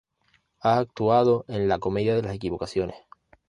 Ha actuado en "La Comedia de las Equivocaciones".